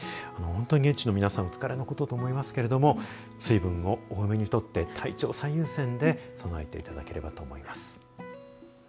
現地の皆さん、お疲れのことと思いますが水分を多めにとって体調を最優先で備えていただければと思います。